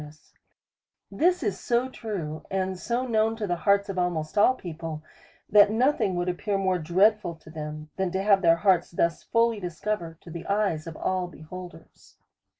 p2 212 A SERIOUS CALL TO A This is so true, and so known to the hearts of al most all people, that nothing would appear more dreadful to them, than to have their hearts thus fully discovered to the eyes of all beholders.